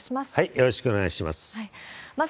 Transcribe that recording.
よろしくお願いします。